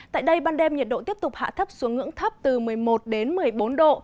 tại đây ban đêm nhiệt độ tiếp tục hạ thấp xuống ngưỡng thấp từ một mươi một đến một mươi bốn độ